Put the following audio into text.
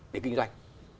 để kinh doanh